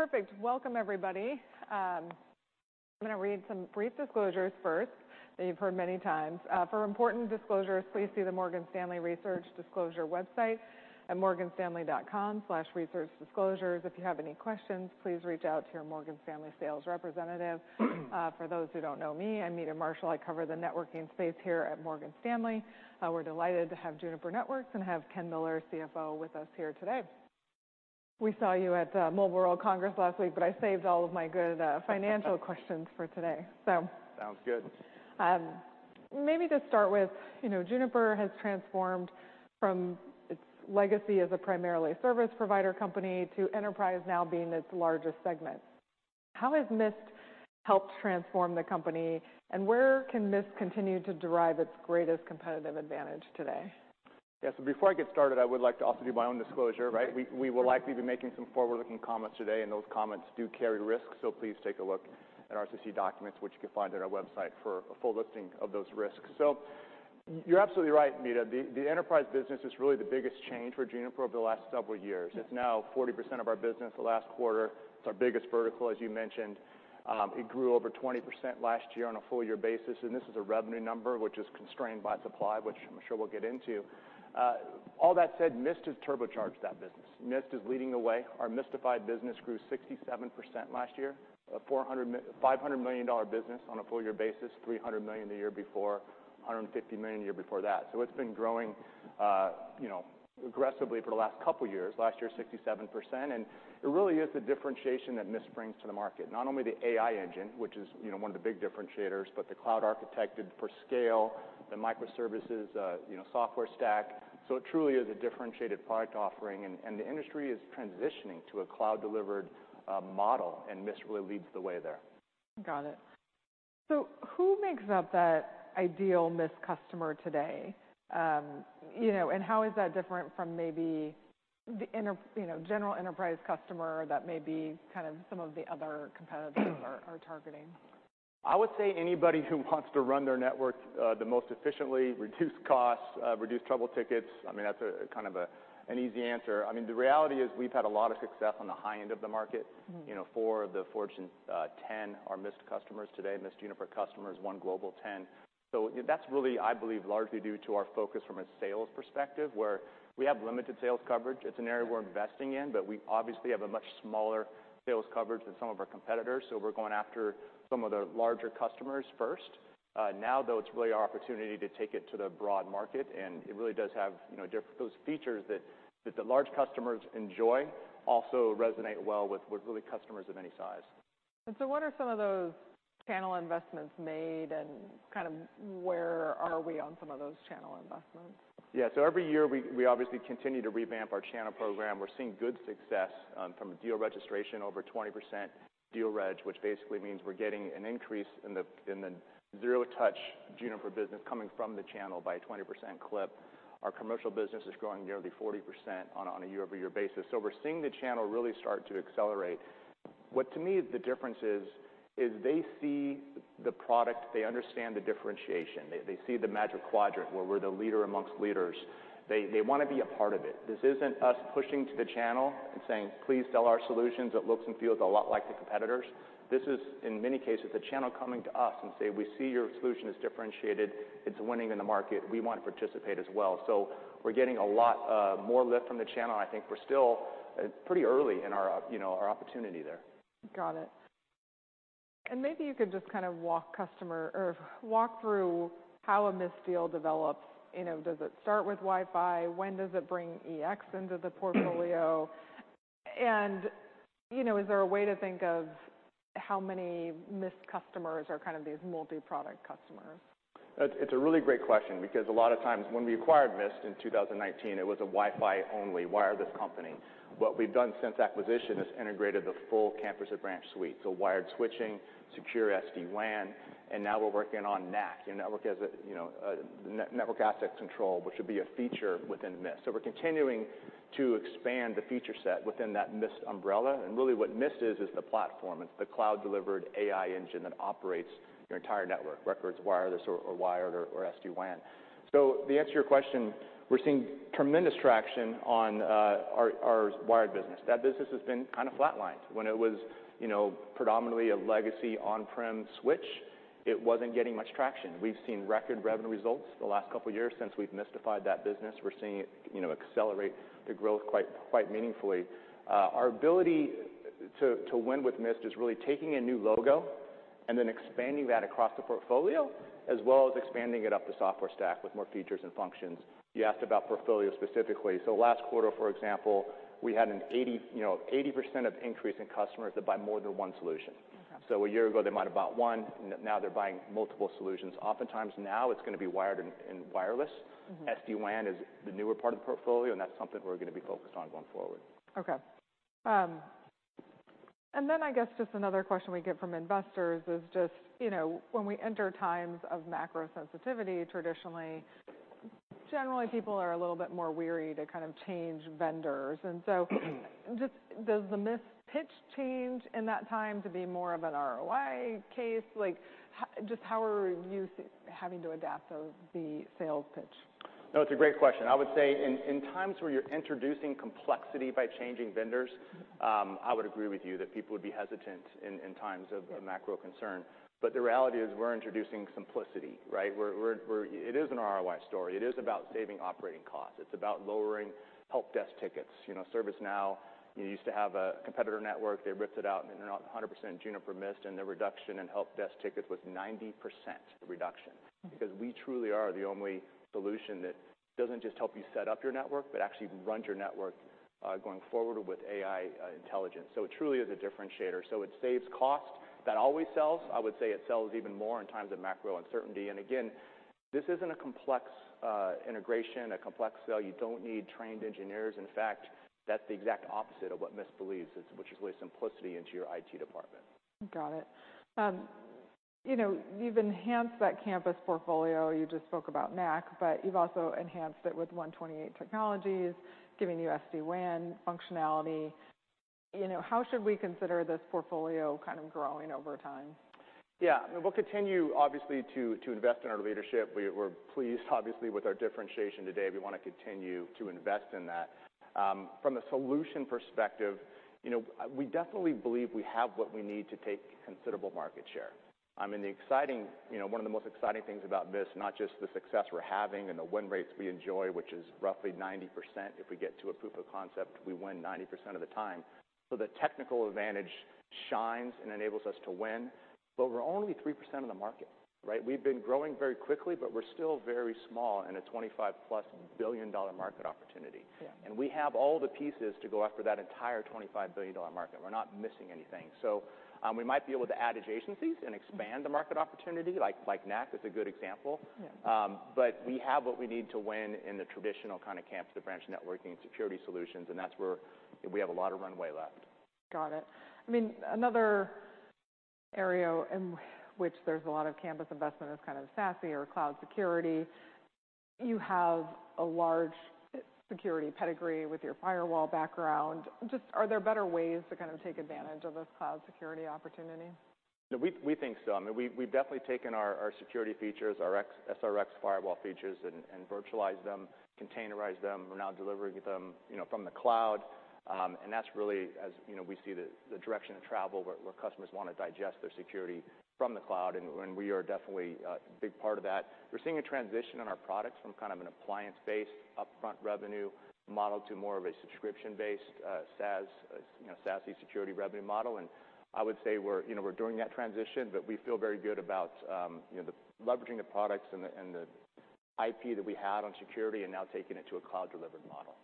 Yeah. All right. Perfect. Welcome, everybody. I'm gonna read some brief disclosures first that you've heard many times. For important disclosures, please see the Morgan Stanley Research Disclosure website at morganstanley.com/researchdisclosures. If you have any questions, please reach out to your Morgan Stanley sales representative. For those who don't know me, I'm Meta Marshall. I cover the networking space here at Morgan Stanley. We're delighted to have Juniper Networks and have Ken Miller, CFO, with us here today. We saw you at Mobile World Congress last week, but I saved all of my good financial questions for today, so. Sounds good. Maybe to start with, you know, Juniper has transformed from its legacy as a primarily service provider company to enterprise now being its largest segment. How has Mist helped transform the company, and where can Mist continue to derive its greatest competitive advantage today? Yeah. Before I get started, I would like to also do my own disclosure, right? We will likely be making some forward-looking comments today, and those comments do carry risks, so please take a look at our SEC documents, which you can find at our website, for a full listing of those risks. You're absolutely right, Meta. The enterprise business is really the biggest change for Juniper over the last several years. Mm-hmm. It's now 40% of our business the last quarter. It's our biggest vertical, as you mentioned. It grew over 20% last year on a full year basis. This is a revenue number, which is constrained by supply, which I'm sure we'll get into. All that said, Mist has turbocharged that business. Mist is leading the way. Our Mistified business grew 67% last year. A $500 million business on a full year basis, $300 million the year before, $150 million the year before that. It's been growing, you know, aggressively for the last couple years. Last year, 67%. It really is the differentiation that Mist brings to the market. Not only the AI engine, which is, you know, one of the big differentiators, but the cloud-architected for scale, the microservices, you know, software stack. It truly is a differentiated product offering, and the industry is transitioning to a cloud-delivered model, and Mist really leads the way there. Got it. Who makes up that ideal Mist customer today? You know, how is that different from maybe the you know, general enterprise customer that maybe kind of some of the other competitors are targeting? I would say anybody who wants to run their network, the most efficiently, reduce costs, reduce trouble tickets. I mean, that's kind of an easy answer. I mean, the reality is we've had a lot of success on the high end of the market. Mm-hmm. You know, 4 of the Fortune 10 are Mist customers today, Mist Juniper customers, 1 Global 10. That's really, I believe, largely due to our focus from a sales perspective, where we have limited sales coverage. It's an area we're investing in, but we obviously have a much smaller sales coverage than some of our competitors, so we're going after some of the larger customers first. Now though, it's really our opportunity to take it to the broad market, and it really does have, you know, those features that the large customers enjoy, also resonate well with really customers of any size. What are some of those channel investments made, and kind of where are we on some of those channel investments? Every year we obviously continue to revamp our channel program. We're seeing good success from a deal registration, over 20% deal registration, which basically means we're getting an increase in the zero-touch Juniper business coming from the channel by a 20% clip. Our commercial business is growing nearly 40% on a year-over-year basis. We're seeing the channel really start to accelerate. What, to me, the difference is they see the product, they understand the differentiation. They see the Magic Quadrant where we're the leader amongst leaders. They wanna be a part of it. This isn't us pushing to the channel and saying, "Please sell our solutions. It looks and feels a lot like the competitors." This is, in many cases, the channel coming to us and say, "We see your solution is differentiated. It's winning in the market. We want to participate as well." We're getting a lot, more lift from the channel, and I think we're still, pretty early in our, you know, our opportunity there. Got it. Maybe you could just kind of walk through how a Mist deal develops. You know, does it start with Wi-Fi? When does it bring EX into the portfolio? You know, is there a way to think of how many Mist customers are kind of these multi-product customers? It's a really great question because a lot of times when we acquired Mist in 2019, it was a Wi-Fi only wireless company. What we've done since acquisition is integrated the full campus and branch suite, so wired switching, secure SD-WAN, and now we're working on NAC, you know, NAC, or Network Access Control, which would be a feature within Mist. We're continuing to expand the feature set within that Mist umbrella. Really what Mist is the platform. It's the cloud-delivered AI engine that operates your entire network, records wireless or wired or SD-WAN. The answer to your question, we're seeing tremendous traction on our wired business. That business has been kind of flatlined. When it was, you know, predominantly a legacy on-prem switch, it wasn't getting much traction. We've seen record revenue results over the last couple of years since we've Mistified that business. We're seeing it, you know, accelerate the growth quite meaningfully. Our ability to win with Mist is really taking a new logo and then expanding that across the portfolio, as well as expanding it up the software stack with more features and functions. You asked about portfolio specifically. Last quarter, for example, we had an, you know, an 80% increase in customers that buy more than one solution. Okay. A year ago, they might have bought one. Now they're buying multiple solutions. Oftentimes now it's gonna be wired and wireless. Mm-hmm. SD-WAN is the newer part of the portfolio, and that's something we're gonna be focused on going forward. I guess just another question we get from investors is just, you know, when we enter times of macro-sensitivity, traditionally, generally people are a little bit more wary to kind of change vendors. Does the Mist pitch change in that time to be more of an ROI case? Like, just how are you having to adapt the sales pitch? No, it's a great question. I would say in times where you're introducing complexity by changing vendors... Mm-hmm. I would agree with you that people would be hesitant in times of-. Yeah. a macro concern. The reality is we're introducing simplicity, right? It is an ROI story. It is about saving operating costs. It's about lowering help desk tickets. You know, ServiceNow, you used to have a competitor network, they ripped it out, and they're now 100% Juniper Mist, and their reduction in help desk tickets was 90% reduction. Mm-hmm. Because we truly are the only solution that doesn't just help you set up your network, but actually runs your network, going forward with AI intelligence. It truly is a differentiator. It saves cost. That always sells. I would say it sells even more in times of macro uncertainty. Again, this isn't a complex integration, a complex sale. You don't need trained engineers. In fact, that's the exact opposite of what Mist believes is, which is lay simplicity into your IT department. Got it. You know, you've enhanced that campus portfolio. You just spoke about NAC, but you've also enhanced it with 128 Technology, giving you SD-WAN functionality. You know, how should we consider this portfolio kind of growing over time? We'll continue, obviously, to invest in our leadership. We're pleased obviously with our differentiation today. We want to continue to invest in that. From a solution perspective, you know, we definitely believe we have what we need to take considerable market share. I mean, the exciting, you know, one of the most exciting things about Mist, not just the success we're having and the win rates we enjoy, which is roughly 90%. If we get to a proof of concept, we win 90% of the time. The technical advantage shines and enables us to win. We're only 3% of the market, right? We've been growing very quickly, but we're still very small in a $25+ billion market opportunity. Yeah. We have all the pieces to go after that entire $25 billion market. We're not missing anything. We might be able to add adjacencies and expand. Mm-hmm. the market opportunity, like NAC is a good example. Yeah. We have what we need to win in the traditional kind of campus to branch networking security solutions, and that's where we have a lot of runway left. Got it. I mean, another area in which there's a lot of campus investment is kind of SASE or cloud security. You have a large security pedigree with your firewall background. Just are there better ways to kind of take advantage of this cloud security opportunity? We think so. I mean, we've definitely taken our security features, our SRX firewall features and virtualized them, containerized them. We're now delivering them, you know, from the cloud. That's really as, you know, we see the direction of travel where customers want to digest their security from the cloud and we are definitely a big part of that. We're seeing a transition in our products from kind of an appliance-based upfront revenue model to more of a subscription-based SaaS, you know, SASE security revenue model. I would say we're, you know, we're doing that transition, but we feel very good about, you know, the leveraging the products and the IP that we had on security and now taking it to a cloud delivered model.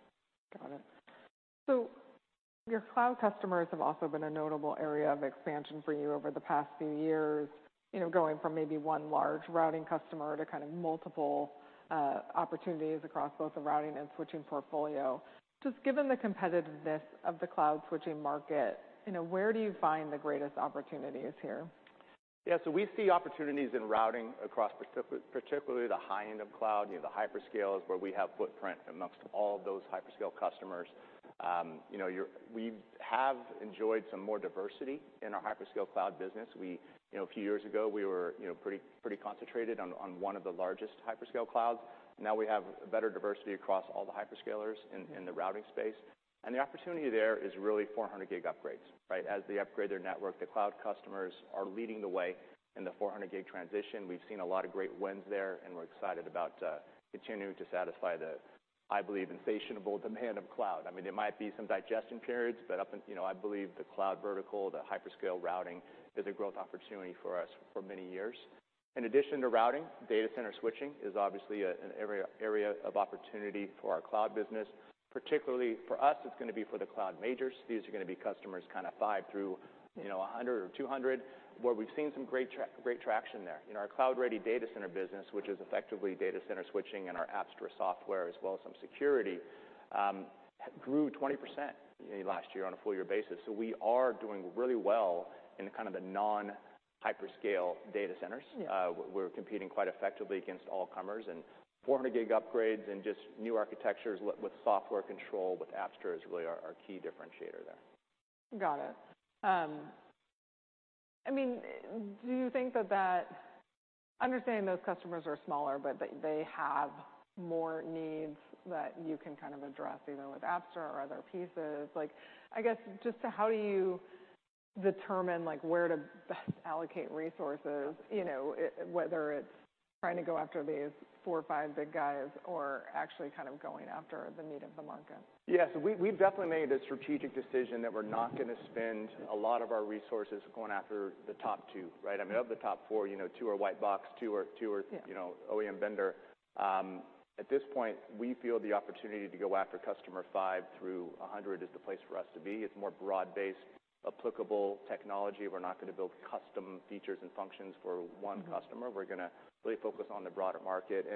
Got it. Your cloud customers have also been a notable area of expansion for you over the past few years, you know, going from maybe one large routing customer to kind of multiple opportunities across both the routing and switching portfolio. Just given the competitiveness of the cloud switching market, you know, where do you find the greatest opportunities here? Yeah. We see opportunities in routing across particularly the high-end of cloud, you know, the hyperscale is where we have footprint amongst all those hyperscale customers. You know, we have enjoyed some more diversity in our hyperscale cloud business. We, you know, a few years ago, we were, you know, pretty concentrated on one of the largest hyperscale clouds. Now we have better diversity across all the hyperscalers in the routing space. The opportunity there is really 400 gig upgrades, right? As they upgrade their network, the cloud customers are leading the way in the 400 gig transition. We've seen a lot of great wins there, and we're excited about continuing to satisfy the, I believe, insatiable demand of cloud. I mean, there might be some digestion periods. Up until, you know, I believe the cloud vertical, the hyperscale routing is a growth opportunity for us for many years. In addition to routing, data center switching is obviously an area of opportunity for our cloud business. Particularly for us, it's gonna be for the cloud majors. These are gonna be customers kind of 5 through, you know, 100 or 200, where we've seen some great traction there. In our cloud-ready data center business, which is effectively data center switching and our Apstra software as well as some security, grew 20% last year on a full year basis. We are doing really well in kind of the non-hyperscale data centers. Yeah. We're competing quite effectively against all comers and 400G upgrades and just new architectures with software control with Apstra is really our key differentiator there. Got it. I mean, do you think that understanding those customers are smaller, but they have more needs that you can kind of address either with Apstra or other pieces? Like, I guess, just how do you determine, like, where to best allocate resources, you know, whether it's trying to go after these four or five big guys or actually kind of going after the meat of the market? We, we've definitely made a strategic decision that we're not gonna spend a lot of our resources going after the top two, right? I mean, of the top four, you know, two are white box, two are. Yeah. you know, OEM vendor. At this point, we feel the opportunity to go after customer 5 through 100 is the place for us to be. It's more broad-based applicable technology. We're not gonna build custom features and functions for 1 customer. Mm-hmm. We're gonna really focus on the broader market.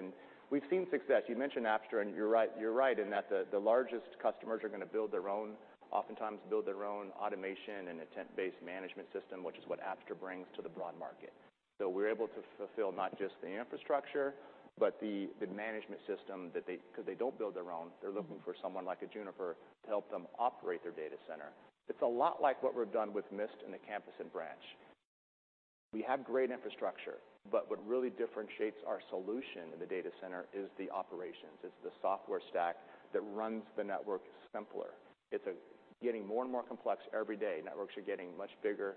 We've seen success. You mentioned Apstra, and you're right in that the largest customers are gonna build their own, oftentimes build their own automation and intent-based management system, which is what Apstra brings to the broad market. We're able to fulfill not just the infrastructure, but the management system that 'cause they don't build their own. They're looking for someone like a Juniper to help them operate their data center. It's a lot like what we've done with Mist in the campus and branch. We have great infrastructure, but what really differentiates our solution in the data center is the operations. It's the software stack that runs the network simpler. It's getting more and more complex every day. Networks are getting much bigger,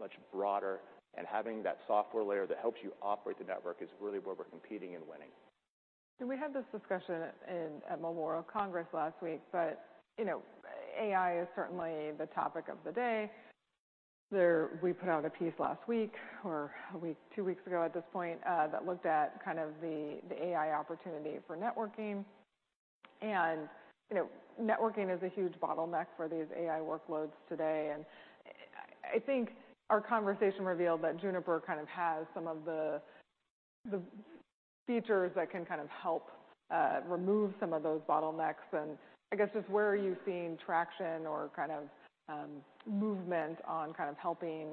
much broader, and having that software layer that helps you operate the network is really where we're competing and winning. We had this discussion at Mobile World Congress last week, but, you know, AI is certainly the topic of the day. We put out a piece last week, or a week, two weeks ago at this point, that looked at kind of the AI opportunity for networking, and, you know, networking is a huge bottleneck for these AI workloads today. I think our conversation revealed that Juniper kind of has some of the features that can kind of help remove some of those bottlenecks. I guess, just where are you seeing traction or kind of movement on kind of helping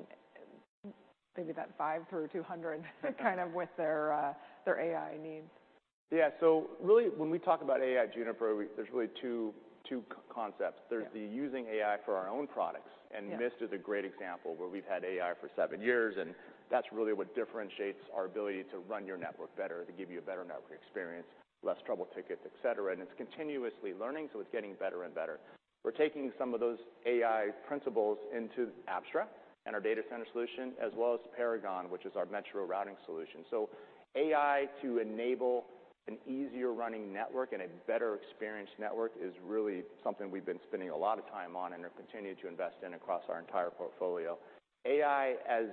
maybe that 5 through 200- kind of with their AI needs? Yeah. Really when we talk about AI at Juniper, there's really two concepts. Yeah. There's the using AI for our own products. Yeah Mist is a great example where we've had AI for 7 years, and that's really what differentiates our ability to run your network better, to give you a better network experience, less trouble tickets, et cetera. It's continuously learning, so it's getting better and better. We're taking some of those AI principles into Apstra and our data center solution, as well as Paragon, which is our metro routing solution. AI to enable an easier running network and a better experience network is really something we've been spending a lot of time on and are continuing to invest in across our entire portfolio. AI, as,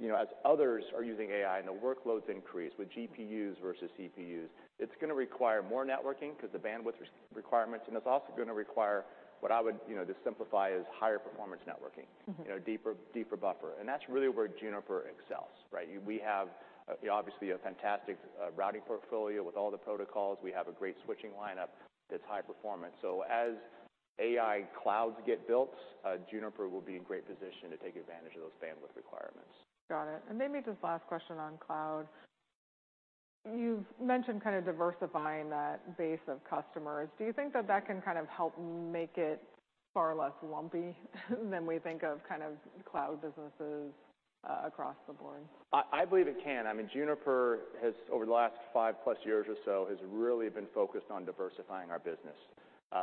you know, as others are using AI and the workloads increase with GPUs versus CPUs, it's gonna require more networking 'cause the bandwidth requirements, and it's also gonna require what I would, you know, to simplify, is higher performance networking. Mm-hmm. You know, deeper buffer, that's really where Juniper excels, right? We have, you know, obviously a fantastic routing portfolio with all the protocols. We have a great switching lineup that's high performance. As AI clouds get built, Juniper will be in great position to take advantage of those bandwidth requirements. Got it. Maybe just last question on cloud. You've mentioned kind of diversifying that base of customers. Do you think that that can kind of help make it far less lumpy than we think of kind of cloud businesses across the board? I believe it can. I mean, Juniper has over the last 5+ years or so, has really been focused on diversifying our business.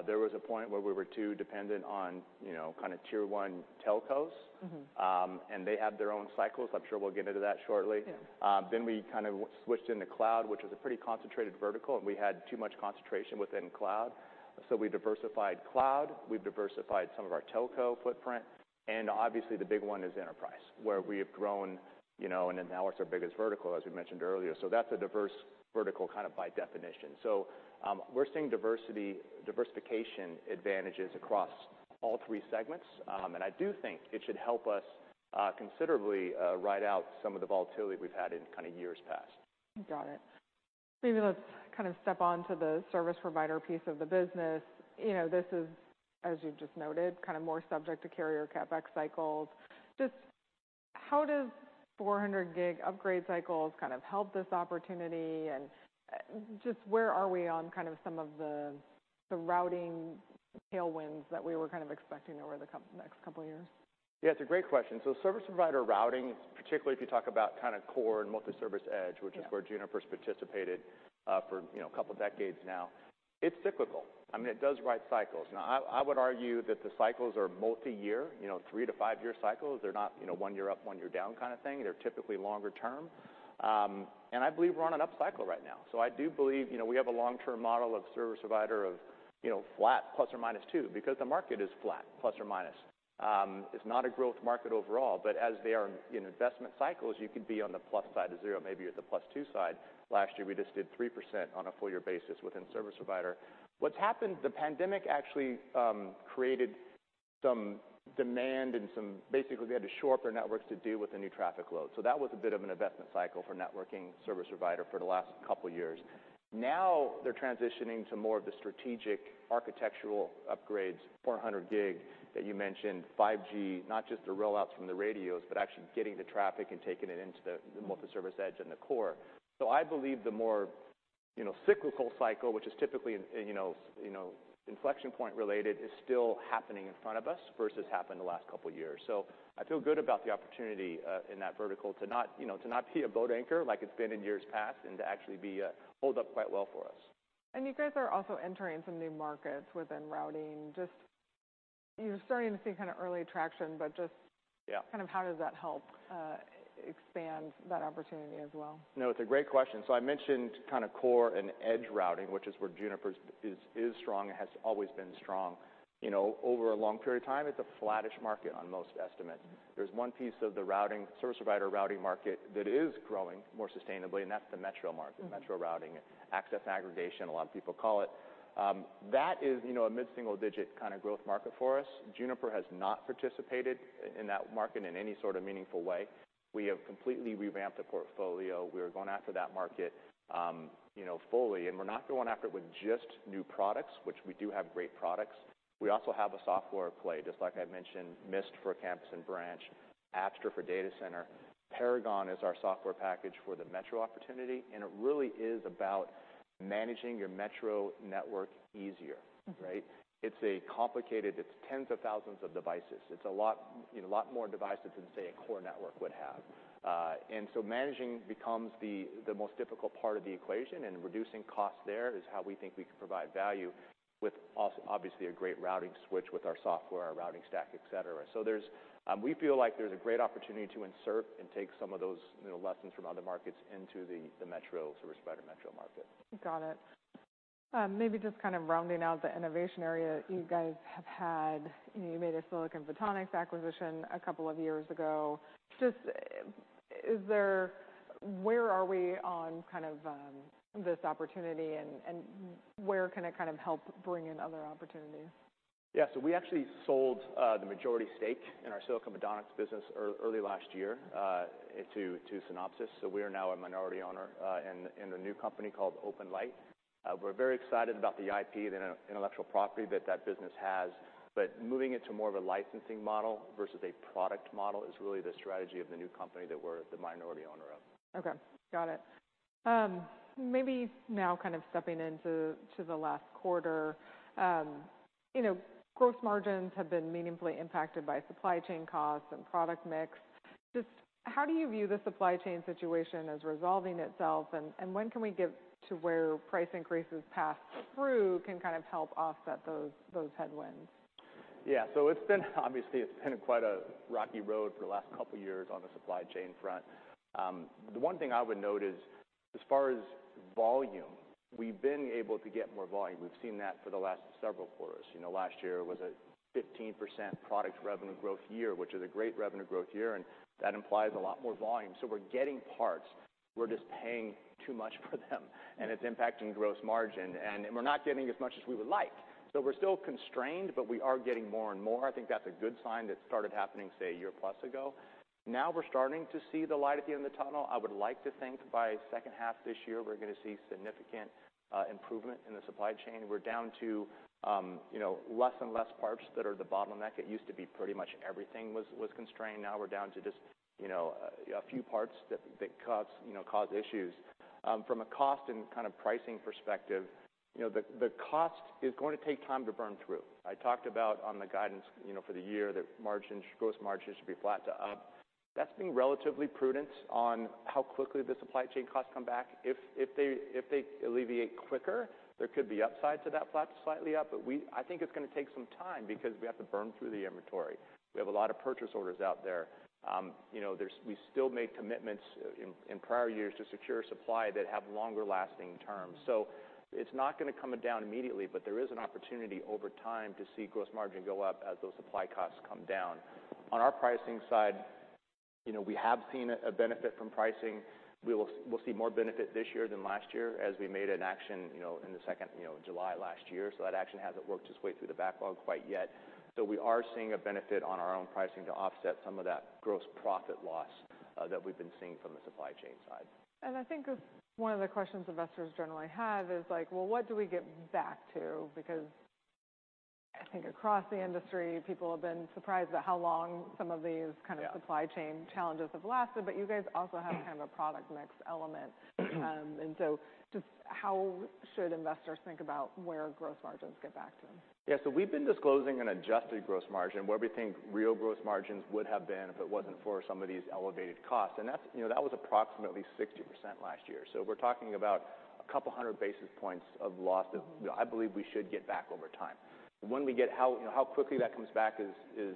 There was a point where we were too dependent on, you know, kind of tier 1 telcos. Mm-hmm. They had their own cycles. I'm sure we'll get into that shortly. Yeah. We kind of switched into cloud, which was a pretty concentrated vertical, and we had too much concentration within cloud, so we diversified cloud, we diversified some of our telco footprint, and obviously the big one is enterprise, where we have grown, you know, and then now it's our biggest vertical as we mentioned earlier. That's a diverse vertical kind of by definition. We're seeing diversification advantages across all three segments. I do think it should help us considerably ride out some of the volatility we've had in kind of years past. Got it. Maybe let's kind of step on to the service provider piece of the business. You know, this is, as you've just noted, kind of more subject to carrier CapEx cycles. Just how does 400G upgrade cycles kind of help this opportunity? Just where are we on kind of some of the routing tailwinds that we were kind of expecting over the next couple of years? Yeah, it's a great question. service provider routing, particularly if you talk about kind of core and multi-service edge- Yeah Which is where Juniper's participated, for, you know, a couple of decades now, it's cyclical. I mean, it does ride cycles. Now, I would argue that the cycles are multi-year, you know, 3-5-year cycles. They're not, you know, one year up, one year down kind of thing. They're typically longer term. I believe we're on an up cycle right now. I do believe, you know, we have a long-term model of service provider of, you know, flat plus or minus 2, because the market is flat plus or minus. It's not a growth market overall, but as they are in investment cycles, you could be on the plus side of zero, maybe you're at the plus 2 side. Last year we just did 3% on a full year basis within service provider. What's happened, the pandemic actually, created some demand and basically they had to shore up their networks to deal with the new traffic load. That was a bit of an investment cycle for networking service provider for the last couple of years. Now they're transitioning to more of the strategic architectural upgrades, 400G that you mentioned, 5G, not just the rollouts from the radios, but actually getting the traffic and taking it into the multi-service edge and the core. I believe the more, you know, cyclical cycle, which is typically in, you know, inflection point related, is still happening in front of us versus happened the last couple of years. I feel good about the opportunity, in that vertical to not, you know, to not be a boat anchor like it's been in years past, and to actually be, hold up quite well for us. You guys are also entering some new markets within routing. Just, you're starting to see kind of early traction. Yeah kind of how does that help expand that opportunity as well? No, it's a great question. I mentioned kind of core and edge routing, which is where Juniper's is strong and has always been strong. You know, over a long period of time, it's a flattish market on most estimates. There's one piece of the routing, service provider routing market that is growing more sustainably, and that's the metro market, metro routing, access aggregation, a lot of people call it. That is, you know, a mid-single digit kind of growth market for us. Juniper has not participated in that market in any sort of meaningful way. We have completely revamped the portfolio. We are going after that market, you know, fully, and we're not going after it with just new products, which we do have great products. We also have a software play, just like I mentioned, Mist for campus and branch, Apstra for data center. Paragon is our software package for the metro opportunity, and it really is about managing your metro network easier, right? Mm-hmm. It's complicated. It's tens of thousands of devices. It's a lot, you know, lot more devices than, say, a core network would have. Managing becomes the most difficult part of the equation, and reducing costs there is how we think we can provide value with obviously a great routing switch with our software, our routing stack, et cetera. There's, we feel like there's a great opportunity to insert and take some of those, you know, lessons from other markets into the metro service provider, metro market. Got it. Maybe just kind of rounding out the innovation area you guys have had. You know, you made a silicon photonics acquisition a couple of years ago. Just, where are we on kind of this opportunity and where can it kind of help bring in other opportunities? We actually sold the majority stake in our silicon photonics business early last year to Synopsys. We are now a minority owner in the new company called OpenLight. We're very excited about the IP, the intellectual property that business has. Moving it to more of a licensing model versus a product model is really the strategy of the new company that we're the minority owner of. Okay, got it. Maybe now kind of stepping into the last quarter. You know, gross margins have been meaningfully impacted by supply chain costs and product mix. Just how do you view the supply chain situation as resolving itself, and when can we get to where price increases pass through can kind of help offset those headwinds? Yeah. Obviously it's been quite a rocky road for the last couple of years on the supply chain front. The one thing I would note is, as far as volume, we've been able to get more volume. We've seen that for the last several quarters. You know, last year was a 15% product revenue growth year, which is a great revenue growth year, and that implies a lot more volume. We're getting parts, we're just paying too much for them, and it's impacting gross margin, and we're not getting as much as we would like. We're still constrained, but we are getting more and more. I think that's a good sign that started happening, say, a year plus ago. We're starting to see the light at the end of the tunnel. I would like to think by 2nd half this year, we're gonna see significant improvement in the supply chain. We're down to, you know, less and less parts that are the bottleneck. It used to be pretty much everything was constrained. Now we're down to just, you know, a few parts that cause, you know, cause issues. From a cost and kind of pricing perspective, you know, the cost is going to take time to burn through. I talked about on the guidance, you know, for the year, that margins, gross margins should be flat to up. That's being relatively prudent on how quickly the supply chain costs come back. If they alleviate quicker, there could be upside to that flat to slightly up. I think it's gonna take some time because we have to burn through the inventory. We have a lot of purchase orders out there. You know, we still made commitments in prior years to secure supply that have longer-lasting terms. It's not gonna come down immediately, but there is an opportunity over time to see gross margin go up as those supply costs come down. On our pricing side, you know, we have seen a benefit from pricing. We'll see more benefit this year than last year as we made an action, you know, in the second, you know, July last year. That action hasn't worked its way through the backlog quite yet. We are seeing a benefit on our own pricing to offset some of that gross profit loss that we've been seeing from the supply chain side. I think one of the questions investors generally have is like, well, what do we get back to? Because I think across the industry, people have been surprised at how long some of these kind of... Yeah supply chain challenges have lasted. You guys also have kind of a product mix element. Just how should investors think about where growth margins get back to? We've been disclosing an adjusted gross margin where we think real gross margins would have been if it wasn't for some of these elevated costs. That's, you know, that was approximately 60% last year. We're talking about a couple hundred basis points of loss that I believe we should get back over time. How, you know, how quickly that comes back is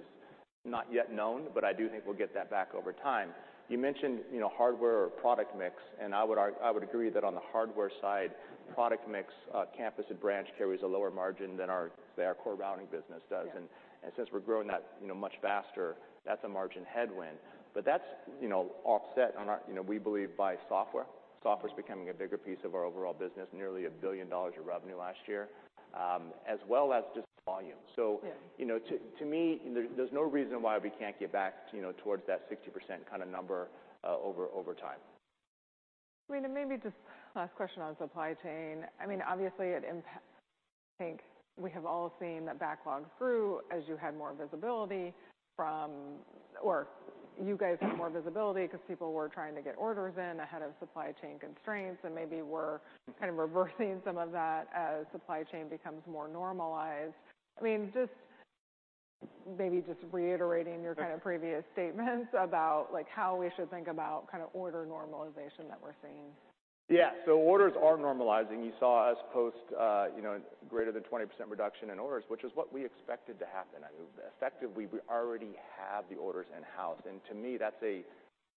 not yet known, but I do think we'll get that back over time. You mentioned, you know, hardware or product mix, I would agree that on the hardware side, product mix, campus and branch carries a lower margin than our core routing business does. Yeah. Since we're growing that, you know, much faster, that's a margin headwind. That's, you know, offset on our, you know, we believe by software. Software's becoming a bigger piece of our overall business, nearly $1 billion of revenue last year, as well as just volume. Yeah. You know, to me, there's no reason why we can't get back, you know, towards that 60% kinda number over time. I mean, maybe just last question on supply chain. I mean, obviously it imp-- I think we have all seen the backlog through as you had more visibility from... You guys had more visibility 'cause people were trying to get orders in ahead of supply chain constraints and maybe we're kind of reversing some of that as supply chain becomes more normalized. I mean, just maybe just reiterating your kind of previous statements about like how we should think about kind of order normalization that we're seeing? Orders are normalizing. You saw us post, you know, greater than 20% reduction in orders, which is what we expected to happen. I mean, effectively, we already have the orders in-house, and to me, that's a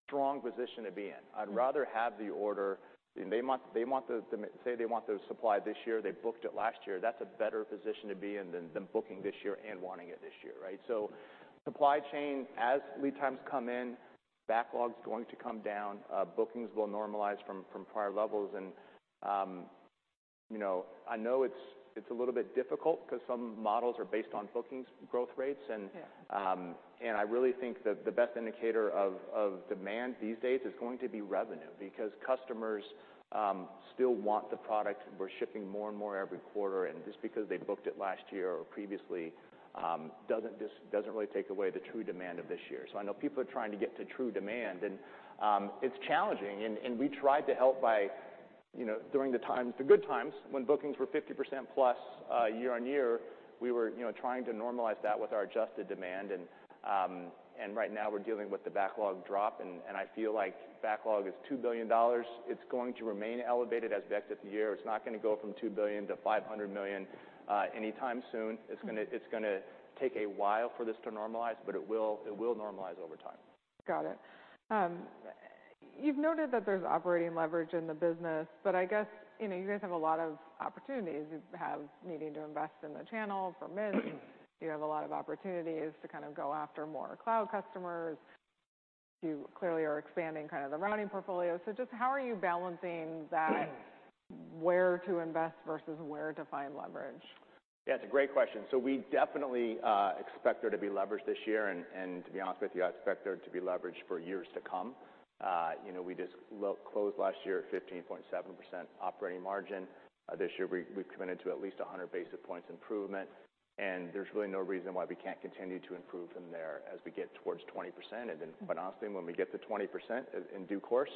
strong position to be in. I'd rather have the order. They want the supply this year, they booked it last year. That's a better position to be in than booking this year and wanting it this year, right? Supply chain, as lead times come in, backlog's going to come down. Bookings will normalize from prior levels. You know, I know it's a little bit difficult 'cause some models are based on bookings growth rates. Yeah. I really think that the best indicator of demand these days is going to be revenue because customers still want the product. We're shipping more and more every quarter. Just because they booked it last year or previously doesn't really take away the true demand of this year. I know people are trying to get to true demand, and it's challenging. We tried to help by, you know, during the times, the good times when bookings were 50%+, year-over-year, we were, you know, trying to normalize that with our adjusted demand. Right now we're dealing with the backlog drop, I feel like backlog is $2 billion. It's going to remain elevated as we go through the year. It's not gonna go from $2 billion to $500 million, anytime soon. It's gonna take a while for this to normalize, but it will normalize over time. Got it. You've noted that there's operating leverage in the business, but I guess, you know, you guys have a lot of opportunities. You have needing to invest in the channel for Mist. You have a lot of opportunities to kind of go after more cloud customers. You clearly are expanding kind of the routing portfolio. Just how are you balancing that, where to invest versus where to find leverage? Yeah, it's a great question. We definitely expect there to be leverage this year, and to be honest with you, I expect there to be leverage for years to come. You know, we just closed last year at 15.7% operating margin. This year we've committed to at least 100 basis points improvement, and there's really no reason why we can't continue to improve from there as we get towards 20%. Honestly, when we get to 20% in due course,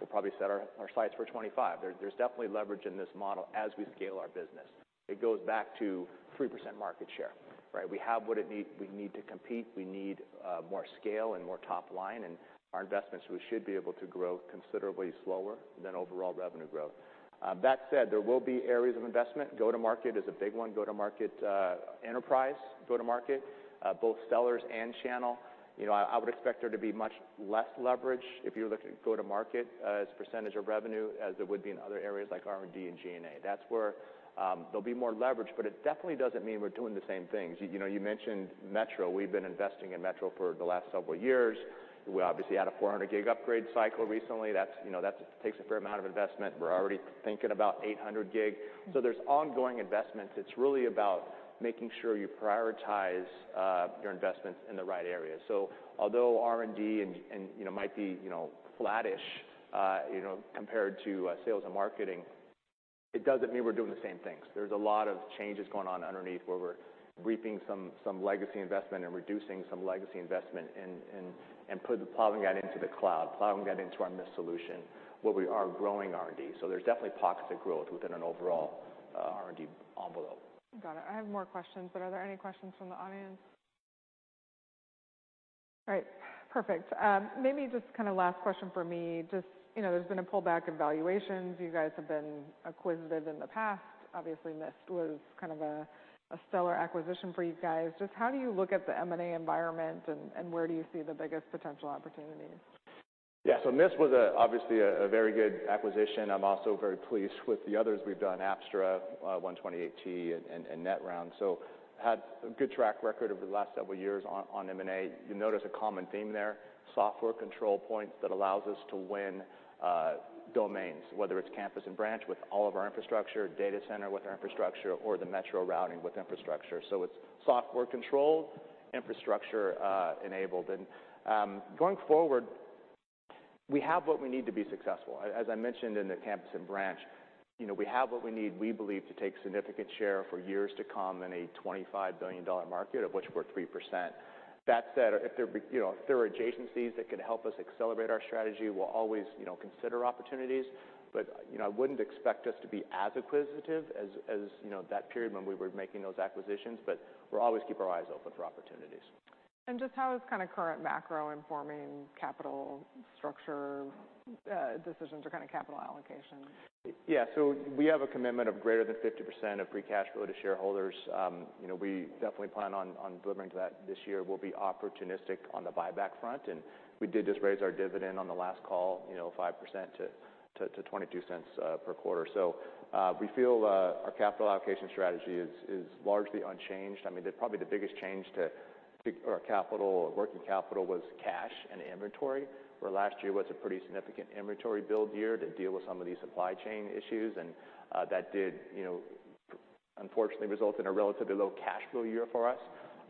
we'll probably set our sights for 25%. There's definitely leverage in this model as we scale our business. It goes back to 3% market share, right? We need to compete. We need more scale and more top line in our investments. We should be able to grow considerably slower than overall revenue growth. That said, there will be areas of investment. Go-to-market is a big one. Go-to-market, enterprise, go-to-market, both sellers and channel. You know, I would expect there to be much less leverage if you're looking at go-to-market as % of revenue as there would be in other areas like R&D and G&A. That's where, there'll be more leverage, but it definitely doesn't mean we're doing the same things. You know, you mentioned Metro. We've been investing in Metro for the last several years. We obviously had a 400G upgrade cycle recently. That's, you know, that takes a fair amount of investment. We're already thinking about 800G. There's ongoing investments. It's really about making sure you prioritize, your investments in the right areas. Although R&D and, you know, might be, you know, flattish, you know, compared to sales and marketing, it doesn't mean we're doing the same things. There's a lot of changes going on underneath where we're reaping some legacy investment and reducing some legacy investment and plowing that into the cloud, plowing that into our Mist solution, where we are growing R&D. There's definitely pockets of growth within an overall R&D envelope. Got it. I have more questions. Are there any questions from the audience? All right. Perfect. Maybe just kind of last question from me. You know, there's been a pullback in valuations. You guys have been acquisitive in the past. Obviously, Mist was kind of a stellar acquisition for you guys. How do you look at the M&A environment and where do you see the biggest potential opportunities? Mist was obviously a very good acquisition. I'm also very pleased with the others we've done, Apstra, 128T and Netrounds. Had a good track record over the last several years on M&A. You notice a common theme there, software control points that allows us to win domains, whether it's campus and branch with all of our infrastructure, data center with our infrastructure or the metro routing with infrastructure. It's software controlled, infrastructure enabled. Going forward, we have what we need to be successful. As I mentioned in the campus and branch, you know, we have what we need, we believe, to take significant share for years to come in a $25 billion market, of which we're 3%. That said, you know, if there are adjacencies that can help us accelerate our strategy, we'll always, you know, consider opportunities. You know, I wouldn't expect us to be as acquisitive as, you know, that period when we were making those acquisitions. We'll always keep our eyes open for opportunities. Just how is kinda current macro informing capital structure, decisions or kinda capital allocation? We have a commitment of greater than 50% of free cash flow to shareholders, you know, we definitely plan on delivering to that this year. We'll be opportunistic on the buyback front, and we did just raise our dividend on the last call, you know, 5% to $0.22 per quarter. We feel our capital allocation strategy is largely unchanged. I mean, the, probably the biggest change to capital, working capital was cash and inventory. Where last year was a pretty significant inventory build year to deal with some of these supply chain issues. That did, you know, unfortunately result in a relatively low cash flow year for us.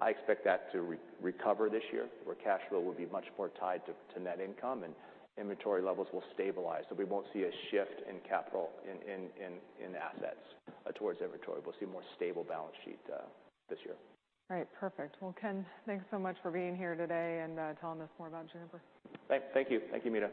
I expect that to re-recover this year, where cash flow will be much more tied to net income and inventory levels will stabilize. We won't see a shift in capital in assets, towards inventory. We'll see more stable balance sheet this year. All right. Perfect. Well, Ken, thanks so much for being here today and telling us more about Juniper. Thank you. Thank you, Meta.